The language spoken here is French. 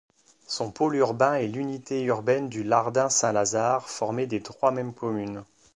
Son pôle urbain est l'unité urbaine du Lardin-Saint-Lazare, formée des trois mêmes communes.